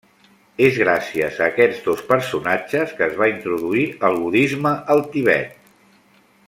És gràcies a aquests dos personatges que es va introduir el budisme al Tibet.